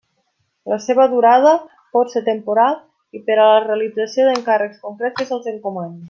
La seva durada pot ser temporal i per a la realització d'encàrrecs concrets que se'ls encomanin.